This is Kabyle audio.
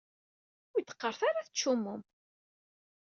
Ur iyi-d-qqaṛet ara teččummum?